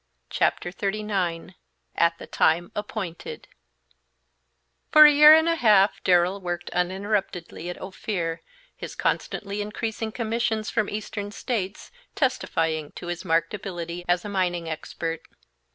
Chapter XXXIX AT THE TIME APPOINTED For a year and a half Darrell worked uninterruptedly at Ophir, his constantly increasing commissions from eastern States testifying to his marked ability as a mining expert.